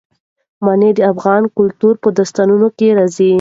منی د افغان کلتور په داستانونو کې راځي.